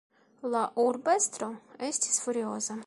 La urbestro estis furioza.